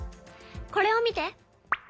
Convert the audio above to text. これを見て。